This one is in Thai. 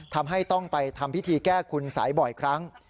ทำให้ต้องไปทำพิธีแก้คุณสัยบ่อยครั้ง